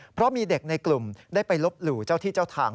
เพราะมีเด็กในกลุ่มได้ไปลบหลู่เจ้าที่เจ้าทาง